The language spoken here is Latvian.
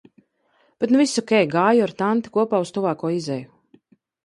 Bet nu viss ok, gāju ar tanti kopā uz tuvāko izeju.